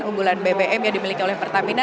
unggulan bbm yang dimiliki oleh pertamina